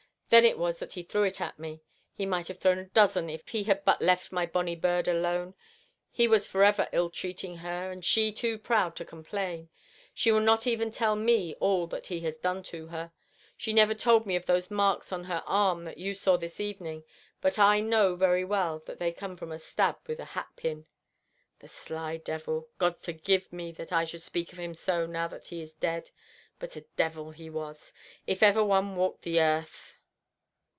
Then it was that he threw it at me. He might have thrown a dozen if he had but left my bonny bird alone. He was for ever ill treating her, and she too proud to complain. She will not even tell me all that he has done to her. She never told me of those marks on her arm that you saw this morning, but I know very well that they come from a stab with a hat pin. The sly fiend—Heaven forgive me that I should speak of him so, now that he is dead, but a fiend he was if ever one walked the earth.